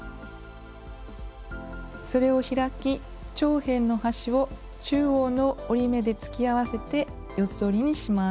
それを開き長辺の端を中央の折り目で突き合わせて四つ折りにします。